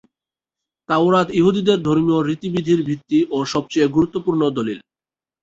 তাওরাত ইহুদীদের ধর্মীয় রীতি-বিধির ভিত্তি ও সবচেয়ে গুরুত্বপূর্ণ দলিল।